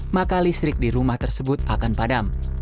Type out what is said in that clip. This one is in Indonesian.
maka listrik di rumah tersebut akan padam